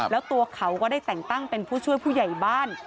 แล้วตัวเขาก็ได้แต่งตั้งเป็นผู้ช่วยผู้ใหญ่บ้าน